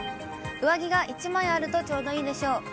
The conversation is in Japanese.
上着が１枚あるとちょうどいいでしょう。